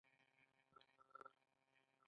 آیا کوچیان په اقتصاد کې رول لري؟